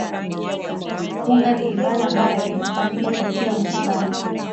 funga ni ibanda ambayo inafanyika kwa kila muislamu